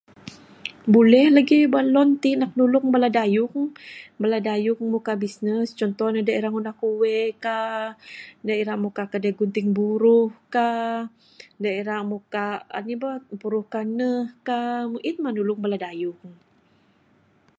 Buleh lagih balon ti nak nulung bala dayung. Bala dayung da muka bisnes, contoh ne bala da ngundah kuwe ka ne ira muka kade gunting buruh ka. Ne ira muka empuruh kaneh ka. Ain mah nulung bala dayung.